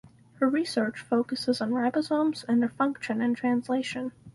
Her research focuses on ribosomes and their function in translation.